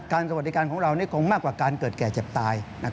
สวัสดิการของเรานี่คงมากกว่าการเกิดแก่เจ็บตาย